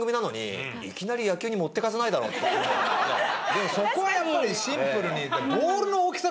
でもそこはやっぱりシンプルに。